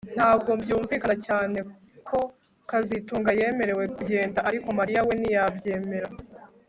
Ntabwo byumvikana cyane ko kazitunga yemerewe kugenda ariko Mariya we ntiyabyemera